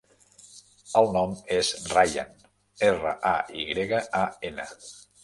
El nom és Rayan: erra, a, i grega, a, ena.